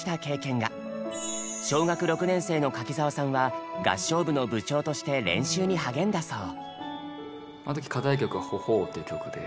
小学６年生の柿澤さんは合唱部の部長として練習に励んだそう。